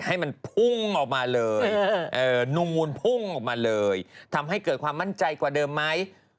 ให้มันพุ่งออกมาเลยนูนพุ่งออกมาเลยทำให้เกิดความมั่นใจกว่าเดิมไหม